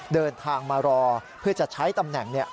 เดินทางมารอเพื่อจะใช้ตำแหน่ง